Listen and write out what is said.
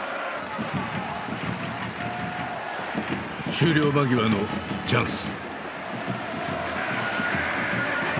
終了間際のチャンス。